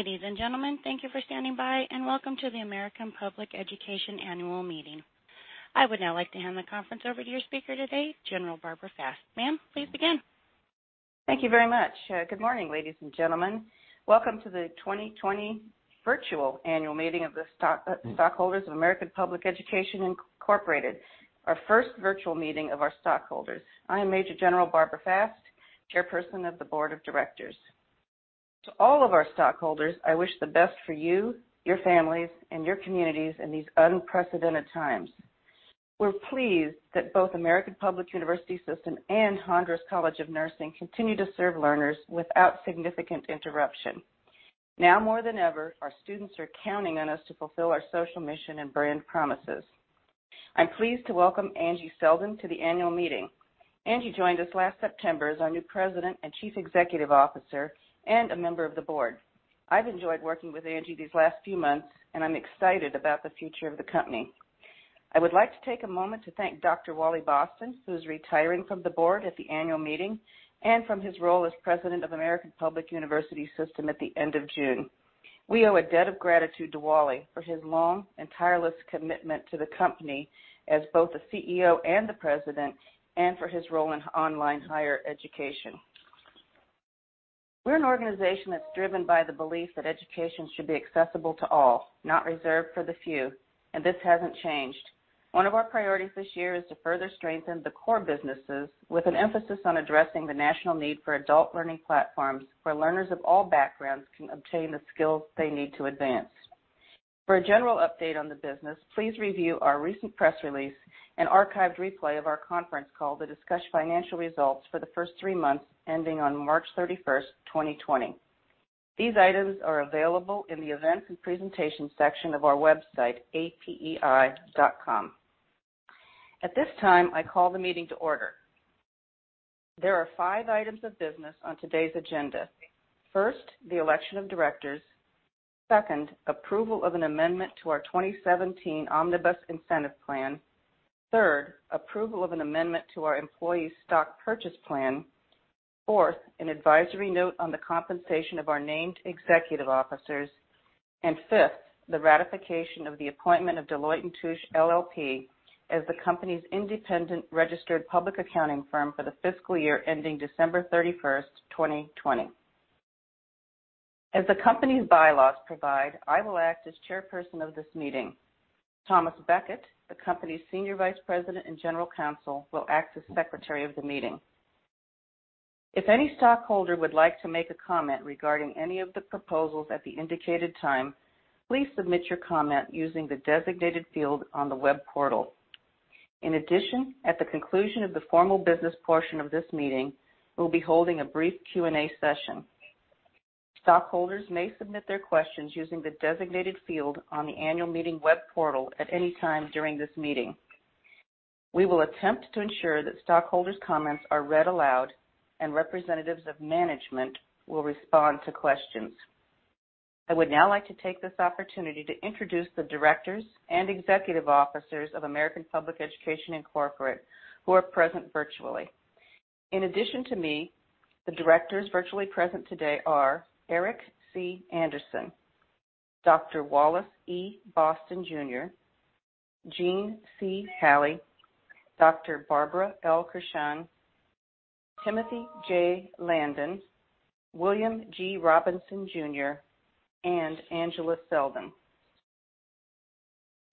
Ladies and gentlemen, thank you for standing by, and welcome to the American Public Education annual meeting. I would now like to hand the conference over to your speaker today, General Barbara Fast. Ma'am, please begin. Thank you very much. Good morning, ladies and gentlemen. Welcome to the 2020 virtual annual meeting of the stockholders of American Public Education, Inc., our first virtual meeting of our stockholders. I am Major General Barbara Fast, Chairperson of the Board of Directors. To all of our stockholders, I wish the best for you, your families, and your communities in these unprecedented times. We're pleased that both American Public University System and Hondros College of Nursing continue to serve learners without significant interruption. More than ever, our students are counting on us to fulfill our social mission and brand promises. I'm pleased to welcome Angie Selden to the annual meeting. Angie joined us last September as our new President and Chief Executive Officer and a member of the Board. I've enjoyed working with Angie these last few months, I'm excited about the future of the company. I would like to take a moment to thank Dr. Wally Boston, who's retiring from the board at the annual meeting and from his role as President of American Public University System at the end of June. We owe a debt of gratitude to Wally for his long and tireless commitment to the company as both the CEO and the President and for his role in online higher education. We're an organization that's driven by the belief that education should be accessible to all, not reserved for the few, and this hasn't changed. One of our priorities this year is to further strengthen the core businesses with an emphasis on addressing the national need for adult learning platforms where learners of all backgrounds can obtain the skills they need to advance. For a general update on the business, please review our recent press release and archived replay of our conference call to discuss financial results for the first three months ending on March 31st, 2020. These items are available in the events and presentations section of our website, apei.com. At this time, I call the meeting to order. There are five items of business on today's agenda. First, the election of directors. Second, approval of an amendment to our 2017 Omnibus Incentive Plan. Third, approval of an amendment to our employee stock purchase plan. Fourth, an advisory note on the compensation of our named executive officers. Fifth, the ratification of the appointment of Deloitte & Touche LLP as the company's independent registered public accounting firm for the fiscal year ending December 31st, 2020. As the company's bylaws provide, I will act as chairperson of this meeting. Thomas Beckett, the company's senior vice president and general counsel, will act as secretary of the meeting. If any stockholder would like to make a comment regarding any of the proposals at the indicated time, please submit your comment using the designated field on the web portal. In addition, at the conclusion of the formal business portion of this meeting, we'll be holding a brief Q&A session. Stockholders may submit their questions using the designated field on the annual meeting web portal at any time during this meeting. We will attempt to ensure that stockholders' comments are read aloud and representatives of management will respond to questions. I would now like to take this opportunity to introduce the directors and executive officers of American Public Education, Inc., who are present virtually. In addition to me, the directors virtually present today are Eric C. Andersen, Dr. Wallace E. Boston Jr., Jean C. Halle, Dr. Barbara L. Kurshan, Timothy J. Landon, William G. Robinson Jr., and Angela Selden.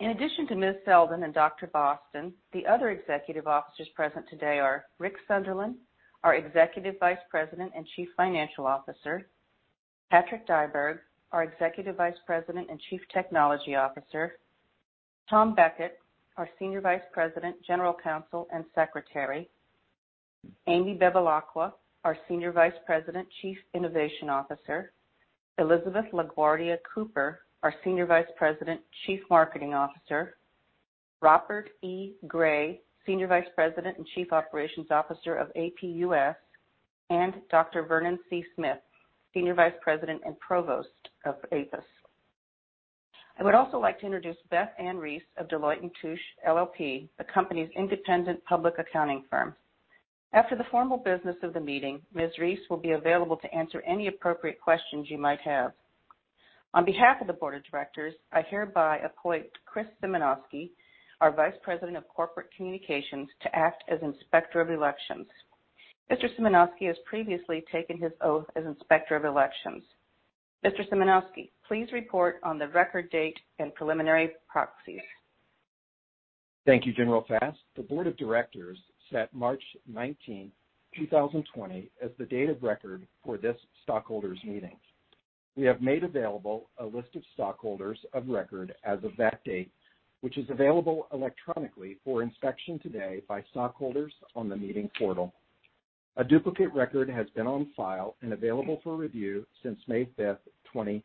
In addition to Ms. Selden and Dr. Boston, the other Executive Officers present today are Rick Sunderland, our Executive Vice President and Chief Financial Officer, Patrik Dyberg, our Executive Vice President and Chief Technology Officer, Tom Beckett, our Senior Vice President, General Counsel, and Secretary, Amy Bevilacqua, our Senior Vice President, Chief Innovation Officer, Elizabeth LaGuardia Cooper, our Senior Vice President, Chief Marketing Officer, Robert Gay, Senior Vice President and Chief Operations Officer of APUS, and Dr. Vernon C. Smith, Senior Vice President and Provost of APUS. I would also like to introduce Beth Ann Reece of Deloitte & Touche LLP, the company's independent public accounting firm. After the formal business of the meeting, Ms. Reece will be available to answer any appropriate questions you might have. On behalf of the board of directors, I hereby appoint Chris Simanowski, our Vice President of Corporate Communications, to act as Inspector of Elections. Mr. Simanowski has previously taken his oath as Inspector of Elections. Mr. Simanowski, please report on the record date and preliminary proxies. Thank you, Barbara Fast. The board of directors set March 19th, 2020, as the date of record for this stockholders meeting. We have made available a list of stockholders of record as of that date, which is available electronically for inspection today by stockholders on the meeting portal. A duplicate record has been on file and available for review since May 5th, 2020.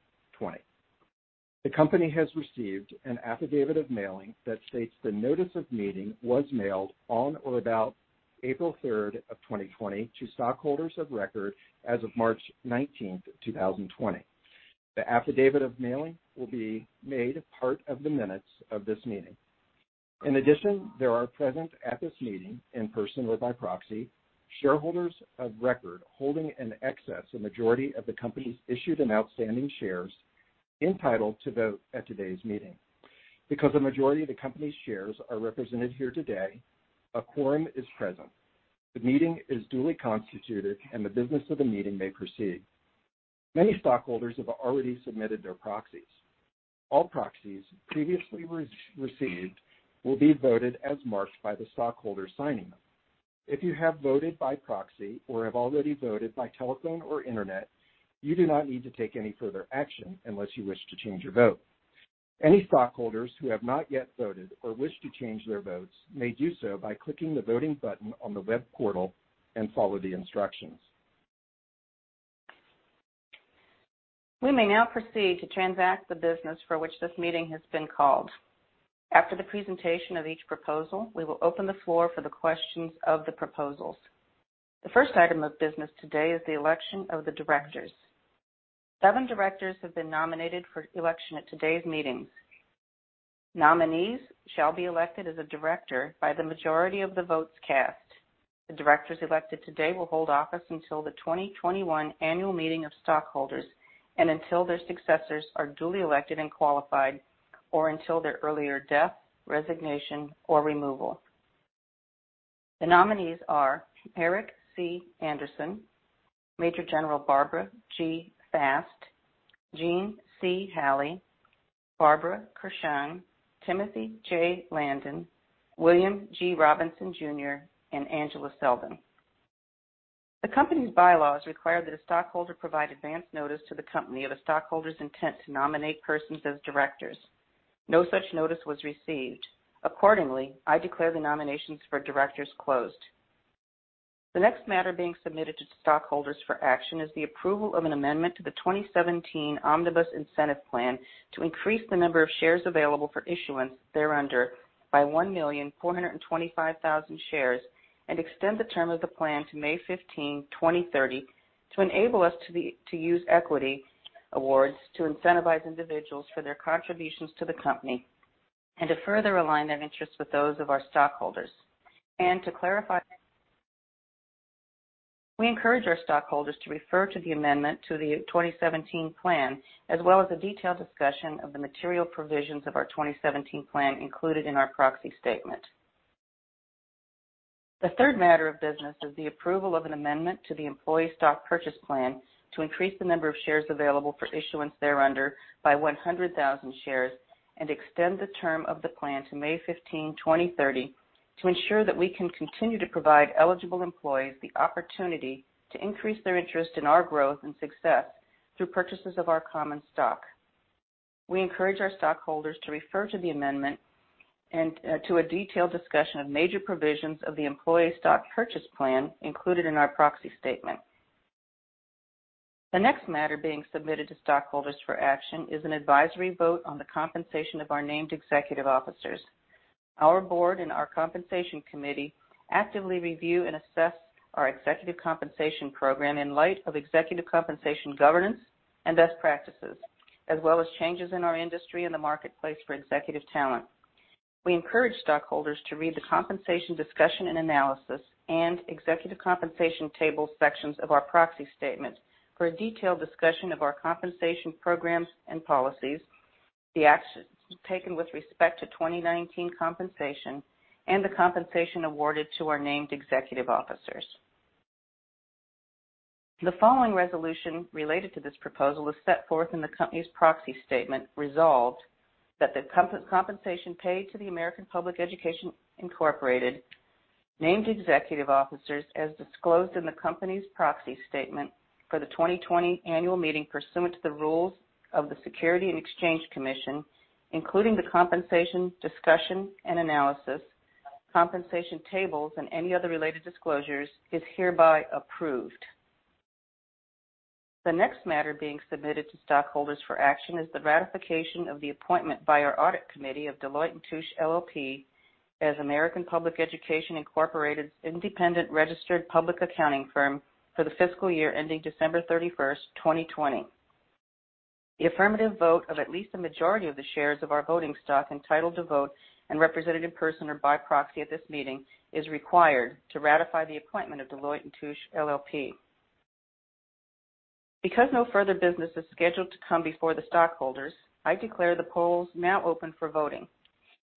The company has received an affidavit of mailing that states the notice of meeting was mailed on or about April 3rd of 2020 to stockholders of record as of March 19th, 2020. The affidavit of mailing will be made a part of the minutes of this meeting. In addition, there are present at this meeting, in person or by proxy, shareholders of record holding in excess a majority of the company's issued and outstanding shares entitled to vote at today's meeting. Because a majority of the company's shares are represented here today, a quorum is present, the meeting is duly constituted, and the business of the meeting may proceed. Many stockholders have already submitted their proxies. All proxies previously received will be voted as marked by the stockholder signing them. If you have voted by proxy or have already voted by telephone or internet, you do not need to take any further action unless you wish to change your vote. Any stockholders who have not yet voted or wish to change their votes may do so by clicking the voting button on the web portal and follow the instructions. We may now proceed to transact the business for which this meeting has been called. After the presentation of each proposal, we will open the floor for the questions of the proposals. The first item of business today is the election of the directors. Seven directors have been nominated for election at today's meeting. Nominees shall be elected as a director by the majority of the votes cast. The directors elected today will hold office until the 2021 annual meeting of stockholders and until their successors are duly elected and qualified, or until their earlier death, resignation, or removal. The nominees are Eric C. Andersen, Major General Barbara G. Fast, Jeanne C. Halley, Barbara Kurshan, Timothy J. Landon, William G. Robinson Jr., and Angela Selden. The company's bylaws require that a stockholder provide advance notice to the company of a stockholder's intent to nominate persons as directors. No such notice was received. Accordingly, I declare the nominations for directors closed. The next matter being submitted to stockholders for action is the approval of an amendment to the 2017 Omnibus Incentive Plan to increase the number of shares available for issuance thereunder by 1,425,000 shares and extend the term of the plan to May 15, 2030, to enable us to use equity awards to incentivize individuals for their contributions to the company and to further align their interests with those of our stockholders. To clarify, We encourage our stockholders to refer to the amendment to the 2017 plan, as well as a detailed discussion of the material provisions of our 2017 plan included in our proxy statement. The third matter of business is the approval of an amendment to the employee stock purchase plan to increase the number of shares available for issuance thereunder by 100,000 shares and extend the term of the plan to May 15, 2030, to ensure that we can continue to provide eligible employees the opportunity to increase their interest in our growth and success through purchases of our common stock. We encourage our stockholders to refer to the amendment and to a detailed discussion of major provisions of the employee stock purchase plan included in our proxy statement. The next matter being submitted to stockholders for action is an advisory vote on the compensation of our named executive officers. Our board and our compensation committee actively review and assess our executive compensation program in light of executive compensation governance and best practices, as well as changes in our industry and the marketplace for executive talent. We encourage stockholders to read the compensation discussion and analysis and executive compensation table sections of our proxy statement for a detailed discussion of our compensation programs and policies, the actions taken with respect to 2019 compensation, and the compensation awarded to our named executive officers. The following resolution related to this proposal is set forth in the company's proxy statement resolved that the compensation paid to the American Public Education, Inc. named executive officers as disclosed in the company's proxy statement for the 2020 annual meeting pursuant to the rules of the Securities and Exchange Commission, including the compensation discussion and analysis, compensation tables, and any other related disclosures, is hereby approved. The next matter being submitted to stockholders for action is the ratification of the appointment by our audit committee of Deloitte & Touche LLP as American Public Education Incorporated's independent registered public accounting firm for the fiscal year ending December 31st, 2020. The affirmative vote of at least a majority of the shares of our voting stock entitled to vote and represented in person or by proxy at this meeting is required to ratify the appointment of Deloitte & Touche LLP. Because no further business is scheduled to come before the stockholders, I declare the polls now open for voting.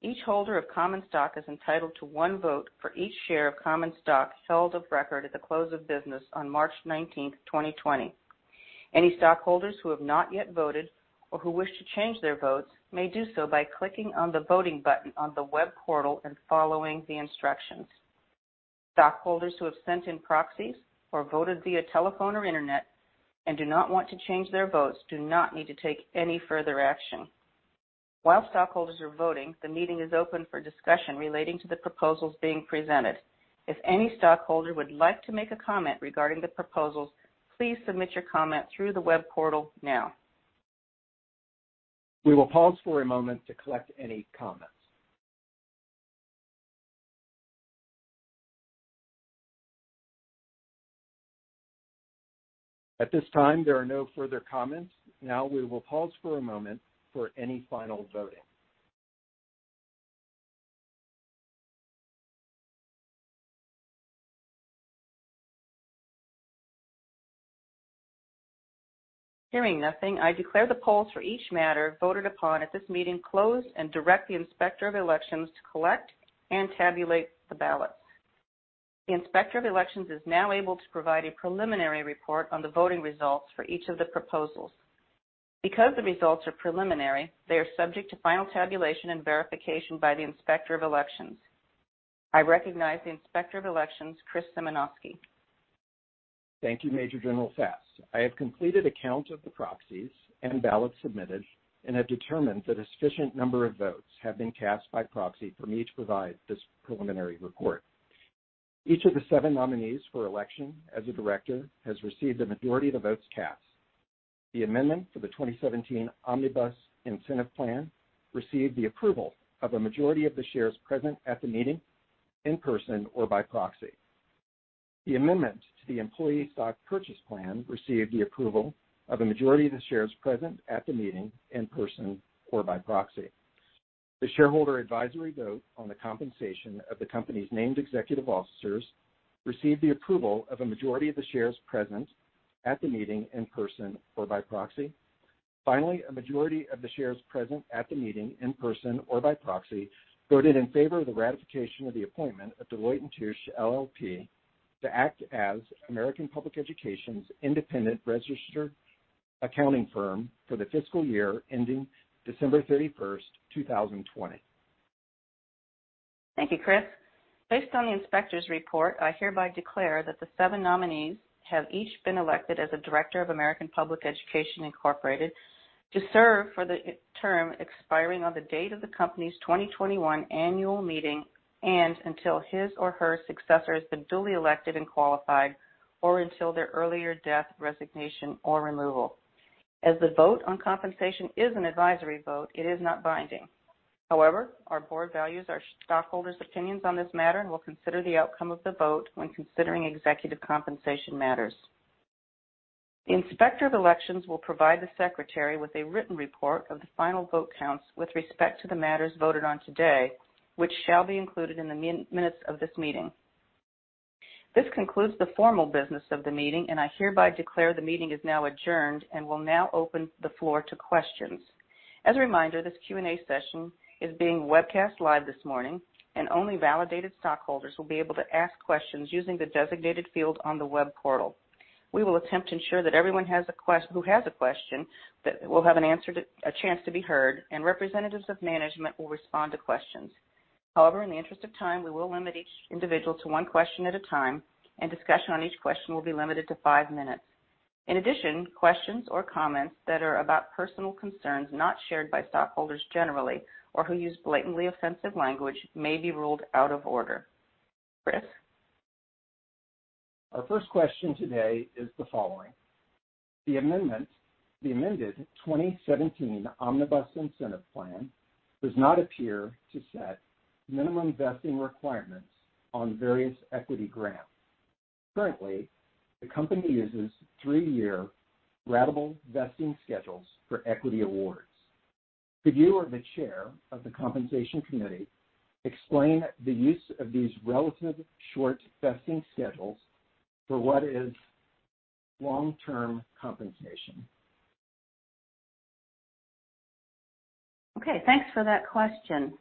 Each holder of common stock is entitled to one vote for each share of common stock held of record at the close of business on March 19th, 2020. Any stockholders who have not yet voted or who wish to change their votes may do so by clicking on the voting button on the web portal and following the instructions. Stockholders who have sent in proxies or voted via telephone or internet and do not want to change their votes do not need to take any further action. While stockholders are voting, the meeting is open for discussion relating to the proposals being presented. If any stockholder would like to make a comment regarding the proposals, please submit your comment through the web portal now. We will pause for a moment to collect any comments. At this time, there are no further comments. We will pause for a moment for any final voting. Hearing nothing, I declare the polls for each matter voted upon at this meeting closed and direct the Inspector of Elections to collect and tabulate the ballots. The Inspector of Elections is now able to provide a preliminary report on the voting results for each of the proposals. Because the results are preliminary, they are subject to final tabulation and verification by the Inspector of Elections. I recognize the Inspector of Elections, Chris Simanowski. Thank you, Major General Fast. I have completed a count of the proxies and ballots submitted and have determined that a sufficient number of votes have been cast by proxy for me to provide this preliminary report. Each of the seven nominees for election as a director has received a majority of the votes cast. The amendment for the 2017 Omnibus Incentive Plan received the approval of a majority of the shares present at the meeting, in-person or by proxy. The amendment to the Employee Stock Purchase Plan received the approval of a majority of the shares present at the meeting, in-person or by proxy. The shareholder advisory vote on the compensation of the company's named executive officers received the approval of a majority of the shares present at the meeting, in-person or by proxy. A majority of the shares present at the meeting, in-person or by proxy, voted in favor of the ratification of the appointment of Deloitte & Touche LLP to act as American Public Education's independent registered accounting firm for the fiscal year ending December 31st, 2020. Thank you, Chris. Based on the inspector's report, I hereby declare that the seven nominees have each been elected as a director of American Public Education, Inc. to serve for the term expiring on the date of the company's 2021 annual meeting and until his or her successor has been duly elected and qualified, or until their earlier death, resignation, or removal. As the vote on compensation is an advisory vote, it is not binding. However, our board values our stockholders' opinions on this matter and will consider the outcome of the vote when considering executive compensation matters. The Inspector of Elections will provide the secretary with a written report of the final vote counts with respect to the matters voted on today, which shall be included in the minutes of this meeting. This concludes the formal business of the meeting. I hereby declare the meeting is now adjourned and will now open the floor to questions. As a reminder, this Q&A session is being webcast live this morning. Only validated stockholders will be able to ask questions using the designated field on the web portal. We will attempt to ensure that everyone who has a question will have a chance to be heard. Representatives of management will respond to questions. However, in the interest of time, we will limit each individual to one question at a time. Discussion on each question will be limited to five minutes. In addition, questions or comments that are about personal concerns not shared by stockholders generally or who use blatantly offensive language may be ruled out of order. Chris? Our first question today is the following. The amended 2017 Omnibus Incentive Plan does not appear to set minimum vesting requirements on various equity grants. Currently, the company uses three-year ratable vesting schedules for equity awards. Could you or the chair of the Compensation Committee explain the use of these relatively short vesting schedules for what is long-term compensation? Okay, thanks for that question.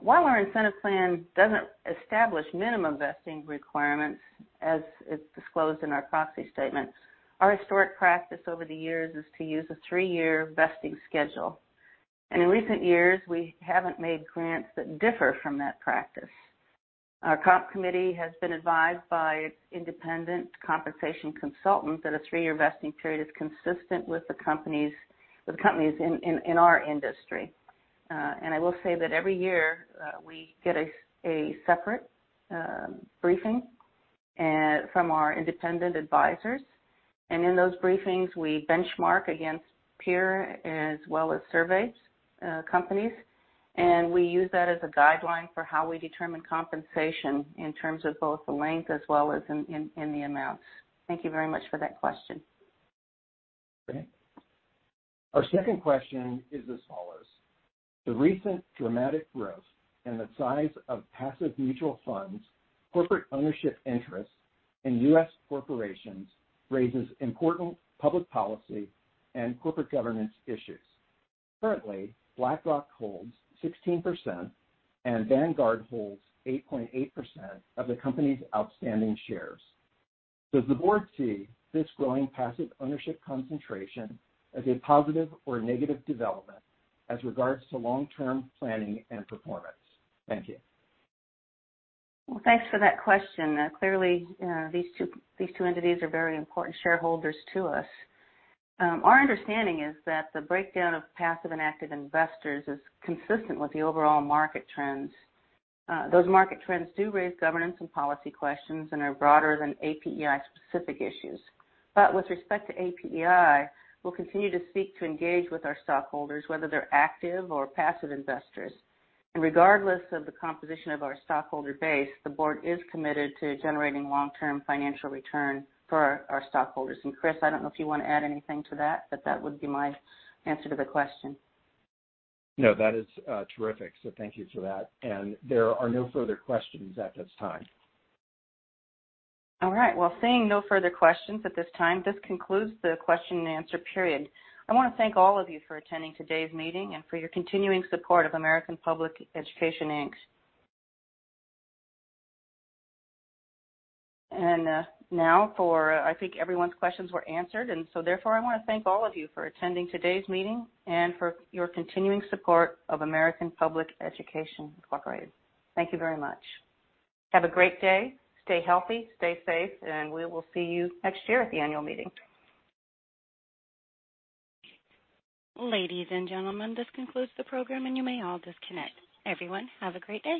While our incentive plan doesn't establish minimum vesting requirements, as is disclosed in our proxy statement, our historic practice over the years is to use a three-year vesting schedule. In recent years, we haven't made grants that differ from that practice. Our Comp Committee has been advised by independent compensation consultants that a three-year vesting period is consistent with companies in our industry. I will say that every year we get a separate briefing from our independent advisors. In those briefings, we benchmark against peer as well as survey companies, and we use that as a guideline for how we determine compensation in terms of both the length as well as in the amounts. Thank you very much for that question. Great. Our second question is as follows. The recent dramatic growth in the size of passive mutual funds, corporate ownership interests in U.S. corporations raises important public policy and corporate governance issues. Currently, BlackRock holds 16% and Vanguard holds 8.8% of the company's outstanding shares. Does the board see this growing passive ownership concentration as a positive or negative development as regards to long-term planning and performance? Thank you. Well, thanks for that question. Clearly, these two entities are very important shareholders to us. Our understanding is that the breakdown of passive and active investors is consistent with the overall market trends. Those market trends do raise governance and policy questions and are broader than APEI specific issues. With respect to APEI, we'll continue to seek to engage with our stockholders, whether they're active or passive investors. Regardless of the composition of our stockholder base, the board is committed to generating long-term financial return for our stockholders. And Chris, I don't know if you want to add anything to that, but that would be my answer to the question. No, that is terrific. Thank you for that. There are no further questions at this time. All right. Well, seeing no further questions at this time, this concludes the question and answer period. I want to thank all of you for attending today's meeting and for your continuing support of American Public Education, Inc. I think everyone's questions were answered, therefore, I want to thank all of you for attending today's meeting and for your continuing support of American Public Education Incorporated. Thank you very much. Have a great day. Stay healthy, stay safe, and we will see you next year at the annual meeting. Ladies and gentlemen, this concludes the program, and you may all disconnect. Everyone, have a great day.